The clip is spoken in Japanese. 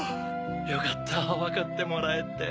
よかったわかってもらえて。